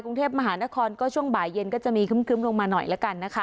กรุงเทพมหานครก็ช่วงบ่ายเย็นก็จะมีคุ้มลงมาหน่อยแล้ว